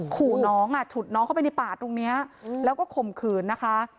ขู่น้องอ่ะฉุดน้องเข้าไปในป่าตรงนี้แล้วก็ข่มขืนนะคะ